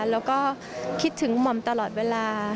แล้วก็คิดถึงหม่อมตลอดเวลา